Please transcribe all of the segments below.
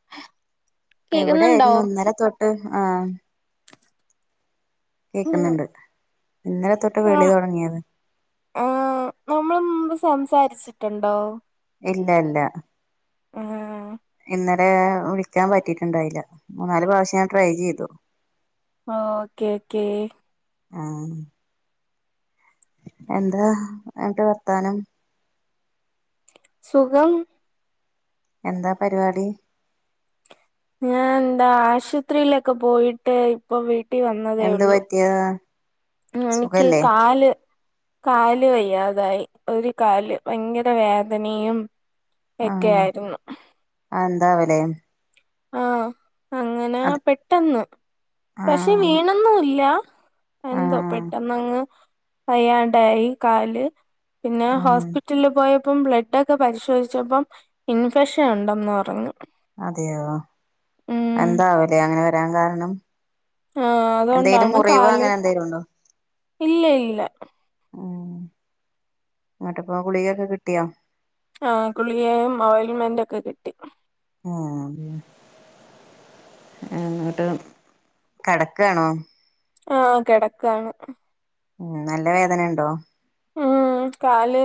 [inaudible] കേക്കുന്നുണ്ടോ എവിടേരുന്നു ഇന്നലെ തൊട്ട് ആഹ് ഉം കേക്കുന്നുണ്ട് ഇന്നലെ തൊട്ട് വിളി തൊടങ്ങിയത് ആഹ് നമ്മള് മുമ്പ് സംസാരിച്ചിട്ടുണ്ടോ ഇല്ല ഇല്ല ആഹ് ഇന്നലേ വിളിക്കാൻ പറ്റീട്ട്ണ്ടായില്ല മൂന്നാല് പ്രാവശ്യം ഞാൻ ട്രൈ ചെയ്തു ഓക്കെ ഓക്കേ ആഹ് എന്താ എന്നിട്ട് വർത്താനം സുഖം എന്താ പരിവാടി ഞാ എന്താ ആശൂത്രീലൊക്കെ പോയിട്ട് ഇപ്പൊ വീട്ട് ട്ടീ വന്നതേ എന്ത് ഒള്ളു പറ്റിയതാ ഉം എനിക്ക് സുഖല്ലേ കാല് കാല് വയ്യാതായി ഒരു കാല് ഭയങ്കര വേദനയും ഒക്കെ ആഹ് ആയിരുന്നു ആഹ് എന്താവലേ ആഹ് അങ്ങനാ അത് പെട്ടെന്ന് പക്ഷെ ആഹ് വീണൊന്നുല്ലാ എന്തോ ആഹ് പെട്ടെന്നങ്ങ് വയ്യാണ്ടായി കാല് പിന്നാ ഉം ഹോസ്പിറ്റല്ല് പോയ പ്പം ബ്ലഡൊക്ക പരിശോധിച്ചപ്പം ഇൻഫെക്ഷൻ ഒണ്ടെന്ന് പറഞ്ഞു അതെയോ ഉം എന്താവലേ അങ്ങനെ വരാൻ കാരണം ആഹ് എന്തേലും അതുകൊണ്ടാണ് മുറിവ് കാല് അങ്ങനെന്തേലും ഉണ്ടോ ഇല്ല ഇല്ല ഉം എന്നട്ടിപ്പോ ഗുളികയൊക്കെ കിട്ടിയോ ആഹ് ഗുളികേയും ഓയിൽമെൻ്റൊക്കെ കിട്ടി ആഹ് ആഹ് എന്നിട്ട് കെടക്കാണോ ആഹ് കെടക്കാണ് ഉം നല്ല വേദനെണ്ടോ ഉം കാല്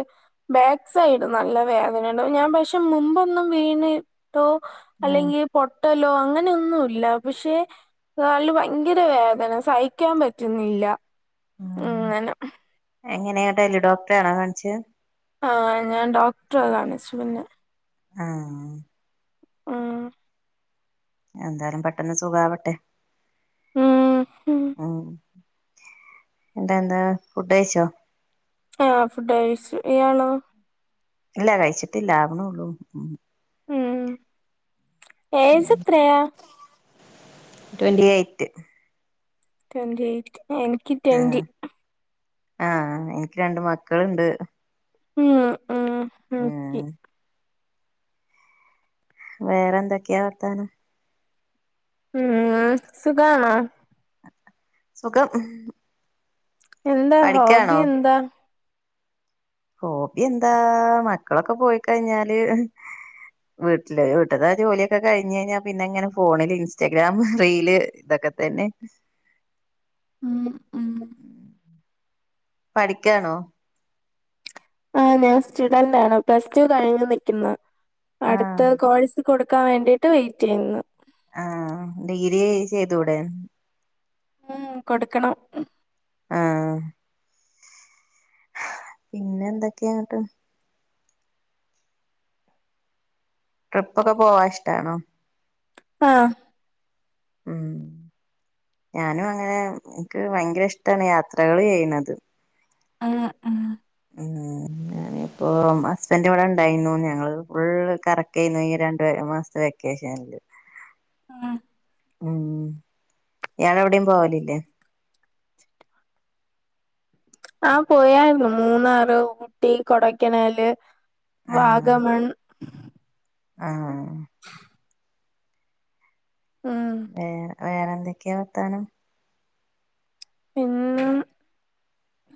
ബാക്ക് സൈഡ് നല്ല വേദനയൊണ്ട് ഞാൻ പക്ഷെ മുമ്പൊന്നും വീണി ട്ടോ ആഹ് അല്ലെങ്കി പൊട്ടലോ അങ്ങനെയൊന്നും ഇല്ല പക്ഷേ കാലിന് ഭയങ്കര വേദന സഹിക്കാൻ പറ്റുന്നില്ല അങ്ങന എങ്ങനെയാട്ടെ എല്ല് ഡോക്ടറെയാണോ കാണിച്ചേ ആഹ് ഞാൻ ഡോക്ടറ കാണിച്ചു പിന്ന ആഹ് ഉം എന്താലും പെട്ടെന്ന് സുഖാവട്ടെ ഉം ന്തെന്താ ഫുഡ് കയ്ച്ചോ ആഹ് ഫുഡ് കയ്ച്ചു ഇയാളോ ഇല്ല കഴിച്ചിട്ടില്ല ആവണുള്ളു ഉം ഏജ് എത്രയാ ട്വന്റി എയ്റ്റ് ട്വൻി എയിറ്റ് എ ആഹ് ആഹ് എനിക്ക് രണ്ട് മക്കള്ണ്ട് ആഹ് ആഹ് ആഹ് ഉം വേറെ എന്തൊക്കെയാ വർത്താനം ഉം ആഹ് സുഖാണോ സുഖം എന്താ പഠിക്കാണോ ഹോബി എന്താ ഹോബി എന്താ മക്കളൊക്കെ പോയി കഴിഞ്ഞാല് വീട്ടില് വീട്ട ആ ജോലിയൊക്കെ കഴിഞ്ഞ് കഴിഞ്ഞാൽ പിന്നെ ഇങ്ങനെ ഫോണില് ഇൻസ്റ്റാഗ്രാം റീല് ഇതൊക്കെ തന്നെ ഉം ഉം പഠിക്കാണോ ആ ഞാൻ സ്റ്റുഡന്റ് ആണ് പ്ലസ് ടു കഴിഞ്ഞു നിക്കുന്ന് ആഹ് അടുത്ത കോഴ് കൊടുക്കാൻ വേണ്ടിട്ട് വെയിറ്റ് ചെയ്യുന്നു ആഹ് ഡിഗ്രി ചെയ്തൂടെ മ്മ് കൊടുക്കണം ആഹ് പിന്നെ എന്തൊക്കെയന്നട്ട് ട്രിപ്പ് ഒക്കെ പോവാൻ ഇഷ്ടാണോ ആഹ് മ്മ് ഞാനും അങ്ങനെ എനിക്ക് ഭയങ്കര ഇഷ്ടമാണ് യാത്രകള് ചെയ്യണത് മ്മ് മ്മ് മ്മ് ഞാനപ്പോ ഹസ്ബൻഡ് ഇവിടെ ഉണ്ടായിരുന്നു ഞങ്ങള് ഫുൾ കറക്കം ആരുന്നു ഈ രണ്ടു മാസത്തെ വെക്കേഷന് മ്മ് മ്മ് ഇയാൾ എവിടെയും പോവലില്ലേ ആഹ് പോയാരുന്നു മൂന്നാറ് ഊട്ടി കൊടെക്കനാല് ആഹ് വാഗമൺ ആഹ് [inaudible] മ്മ് വേറെ വേറെ എന്തൊക്കെയാ വർത്താനം പിന്നെ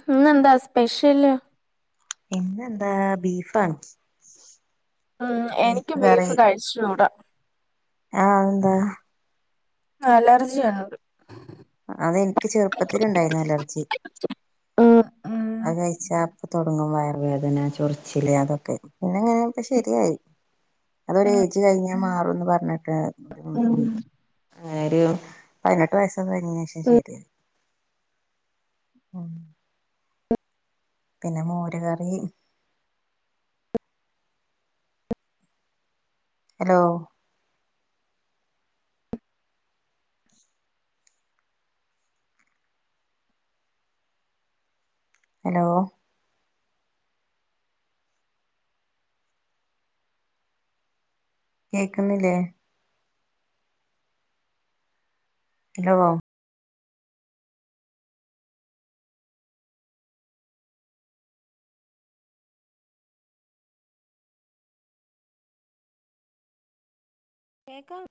ഇന്നെന്താ സ്പെഷ്യല് ഇന്നെന്താ ബീഫാണ് മ്മ് എനിക്ക് ബീഫ് കഴിച്ചൂടാ ആഹ് അതെന്താ അലർജിയാണത് അതെനിക്ക് ചെറുപ്പത്തില് ഉണ്ടായിരുന്നു അലർജി ഉം ഉം അത് കഴിച്ചാ അപ്പം തുടങ്ങും വയർ വേദന ചൊറിച്ചില് അതൊക്കെ പിന്നെങ്ങനെ ഇപ്പ ശരിയായി അതൊരു ഏജ് കഴിഞ്ഞാൽ മാറുംന്ന് പറഞ്ഞിട്ട് ഉം ഒരു പതിനെട്ട് വയസ്സ് കഴിഞ്ഞന് ശേഷം ശരിയായത് മ്മ് പിന്നെ മോര് കറി ഹലോ ഹലോ കേക്കുന്നില്ലേ ഹലോ കേക്കാം